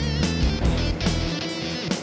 jangan kamu pakai komanks